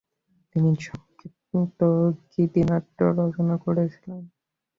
তিনি সংক্ষিপ্ত গীতিনাট্য রচনা করেছিলেন।